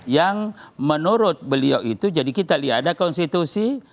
yang menurut beliau itu jadi kita lihat ada konstitusi